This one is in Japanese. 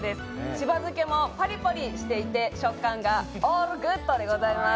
しば漬けもパリパリしていて食感がオールグッドでございます。